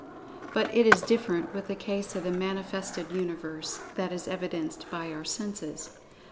But it is different with the case of the manifested Universe that is evidenced by our senses.